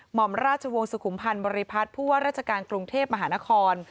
หมอมราชวงศ์สุขุมพันธ์บริพัฒน์ผู้ว่าราชการกรุงเทพมหานคร